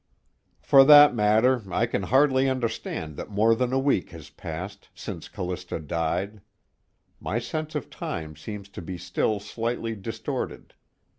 For that matter, I can hardly understand that more than a week has passed since Callista died. My sense of time seems to be still slightly distorted.